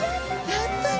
やったね！